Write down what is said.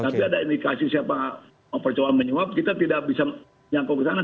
tapi ada indikasi siapa percobaan menyuap kita tidak bisa nyangkau ke sana